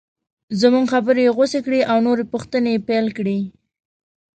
زموږ خبرې یې غوڅې کړې او نورې پوښتنې یې پیل کړې.